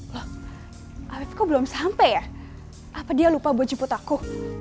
loh aku belum sampai ya apa dia lupa buat jemput aku